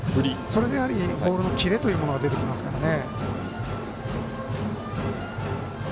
それでボールのキレというものが出てきますからね。